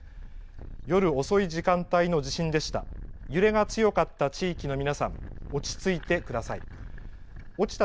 夜遅い時間帯の地震でした。